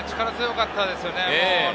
力強かったですね。